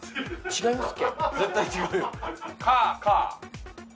違います。